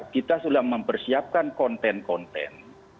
kita sudah mempersiapkan konten konten